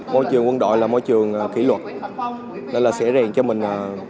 môi trường quân đội là môi trường kỷ luật là sẻ rèn cho mình